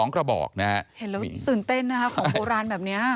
กระบอกนะฮะเห็นแล้วตื่นเต้นนะคะของโบราณแบบนี้